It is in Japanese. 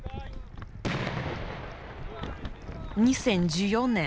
２０１４年